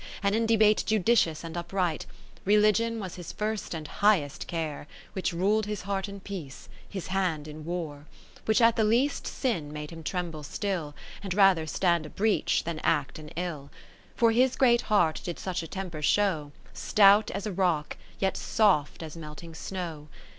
And in debate judicious and upright : Religion was his first and highest care, 2 i Which rul'd his heart in peace, his hand in war : Which at the least sin made him tremble still. And rather stand a breach, than act an ill ; For his great heart did such a temper show, Stout as a rock, yet soft as melting snow.